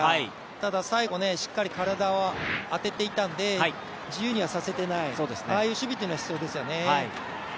ただ最後、しっかり体を当てていたので、自由にはさせていないああいう守備というのは必要ですよね。